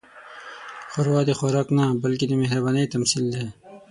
ښوروا د خوراک نه، بلکې د مهربانۍ تمثیل دی.